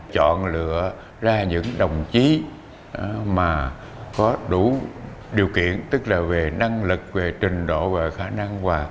chọn lựa ra những đồng chí mà có đủ điều kiện tức là về năng lực về trình độ và khả năng và